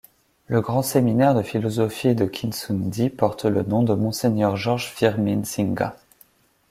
Le grand séminaire de philosophie de Kinsoundi porte le nom de Monseigneur Georges-Firmin Singha.